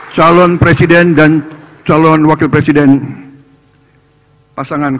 salon presiden dan salon wakil presiden pasangan satu